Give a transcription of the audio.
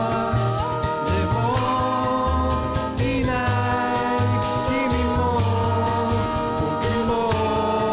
「でもいない君も僕も」